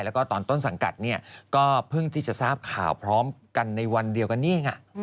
แล้วก็ตอนต้นสังกัดก็เพิ่งที่จะทราบข่าวพร้อมกันในวันเดียวกันนี่เอง